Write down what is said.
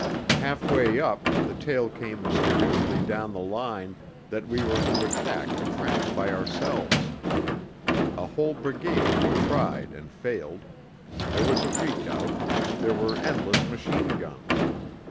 Half way up the tale came mysteriously down the line that we were to attack a trench by ourselves; a whole brigade had tried and failed there was a redoubt there were endless machine guns....